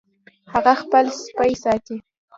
هغه خپل سپی ساتي